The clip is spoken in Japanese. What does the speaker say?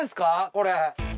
これ。